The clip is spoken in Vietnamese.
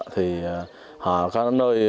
thì họ có nơi